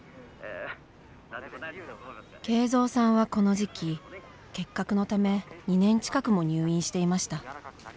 圭三さんはこの時期結核のため２年近くも入院していました